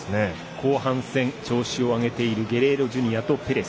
後半戦、調子を上げているゲレーロＪｒ．とペレス。